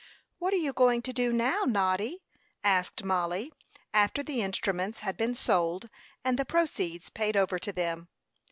"What are you going to do now, Noddy?" asked Mollie, after the instruments had been sold and the proceeds paid over to them.